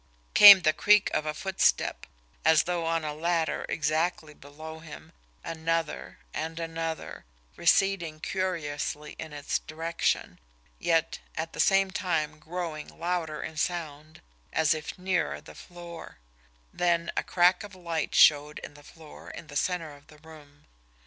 Came the creak of a footstep, as though on a ladder exactly below him, another, and another, receding curiously in its direction, yet at the same time growing louder in sound as if nearer the floor then a crack of light showed in the floor in the centre of the room.